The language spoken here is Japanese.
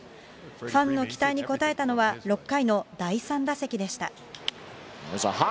ファンの期待に応えたのは、６回の第３打席でした。